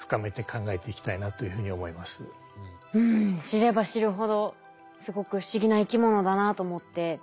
知れば知るほどすごくフシギな生き物だなと思って。